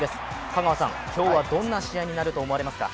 香川さん、今日はどんな試合になると思いますか？